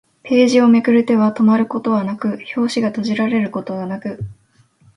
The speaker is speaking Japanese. ページをめくる手は止まることはなく、表紙が閉じられることはなく